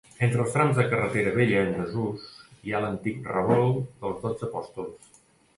Entre els trams de carretera vella en desús hi ha l'antic Revolt dels Dotze Apòstols.